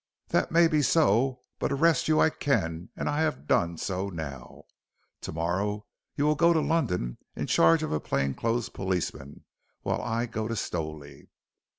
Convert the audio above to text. "That may be so, but arrest you I can and I have done so now. To morrow morning you will go to London in charge of a plain clothes policeman, while I go to Stowley."